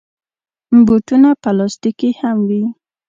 بوټونه پلاستيکي هم وي.